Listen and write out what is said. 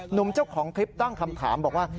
หนุ่มเจ้าของคลิปตั้งคำถามบอกว่า